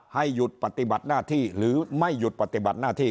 ให้หยุดปฏิบัติหน้าที่หรือไม่หยุดปฏิบัติหน้าที่